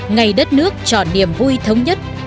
ngày đất nước trọn niềm vui thống nhất